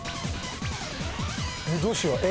どうしよう。